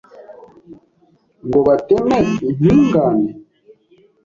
Ngo bateme intungane?